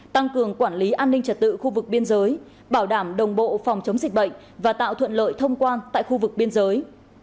tăng cường quản lý an ninh trật tự khu vực biên giới bảo đảm đồng bộ phòng chống dịch bệnh và tạo thuận lợi thông quan tại khu vực biên giới